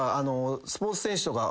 スポーツ選手とか。